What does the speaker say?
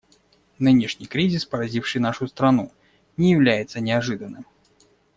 Нынешний кризис, поразивший нашу страну, не является неожиданным.